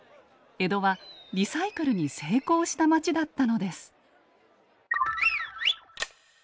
江戸はリサイクルに成功した街だったのです。